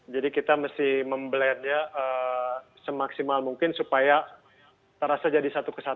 jadi kita mesti memblend nya semaksimal mungkin supaya terasa jadi satu kesatuan